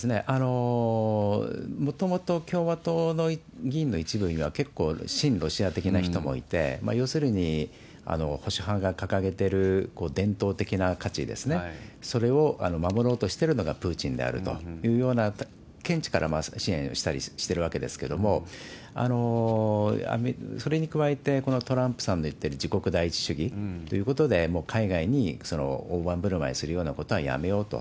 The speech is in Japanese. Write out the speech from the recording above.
もともと共和党の議員の一部には、結構親ロシア的な人もいて、要するに保守派が掲げてる伝統的な価値ですね、それを守ろうとしてるのがプーチンであるというような見地から支援をしたりしてるわけですけれども、それに加えて、このトランプさんの言ってる自国第一主義というようなことで、もう海外に大盤振る舞いするようなことはやめようと。